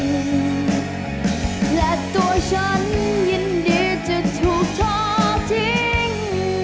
และตัวฉันยินดีจะถูกทอดทิ้ง